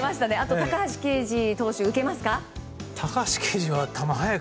高橋奎二投手を受けますか？